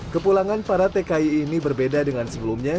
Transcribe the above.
kepulangan para tki ini berbeda dengan sebelumnya